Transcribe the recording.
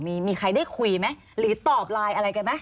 มีมีใครได้คุยไหมหรือตอบไลน์อะไรกันไหม